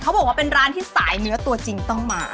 บอกว่าเป็นร้านที่สายเนื้อตัวจริงต้องมา